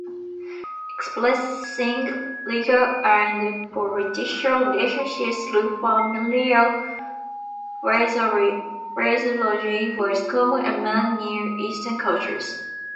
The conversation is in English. Expressing legal and political relationships through familial phraseology was common among Near Eastern cultures.